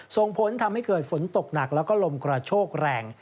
ส่งผลทำให้เกิดฝนตกหนักแล้วก็ลมกระโชกแรง